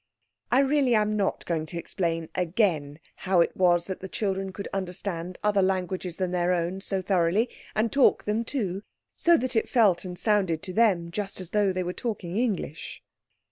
I really am not going to explain again how it was that the children could understand other languages than their own so thoroughly, and talk them, too, so that it felt and sounded (to them) just as though they were talking English.